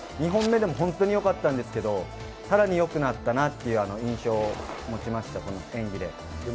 ２本目でも本当によかったんですけど、さらによくなったなっていう印象を持ちました、この演技で。